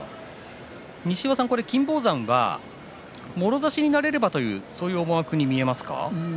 西岩さん金峰山はもろ差しになれればという思惑に見えますか。